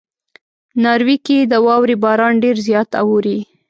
ناروې کې د واورې باران ډېر زیات اوري.